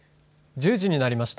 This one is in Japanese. １０時になりました。